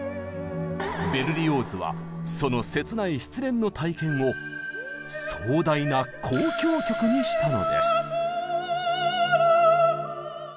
ベルリオーズはその切ない失恋の体験を壮大な交響曲にしたのです！